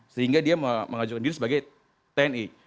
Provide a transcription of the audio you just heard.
sehingga dia mengajukan diri sebagai tni